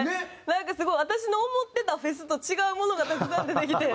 なんかすごい私の思ってたフェスと違うものがたくさん出てきて。